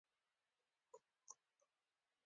اوس نو په زړه کښې مې دوې تندې وې.